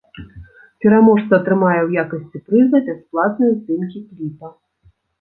Пераможца атрымае ў якасці прыза бясплатныя здымкі кліпа.